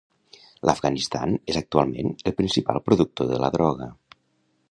L'Afganistan és actualment el principal productor de la droga.